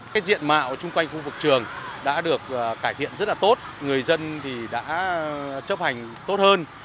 cái diện mạo chung quanh khu vực trường đã được cải thiện rất là tốt người dân thì đã chấp hành tốt hơn